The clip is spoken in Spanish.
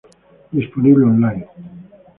Disponible online.